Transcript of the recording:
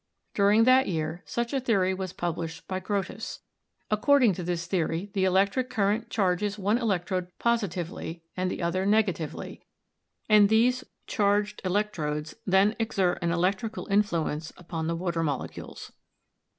During that year such a theory was pub lished by Grotthus. According to this theory the electric current charges one electrode positively and the other negatively, and these charged electrodes then exert an electrical influence upon the water molecules.